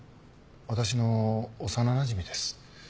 私の幼なじみです。